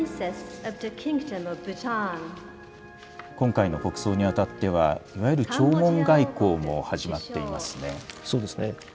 今回の国葬にあたっては、いわゆる弔問外交も始まっていますそうですね。